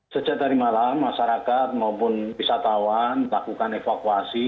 sejak tadi malam masyarakat maupun wisatawan melakukan evakuasi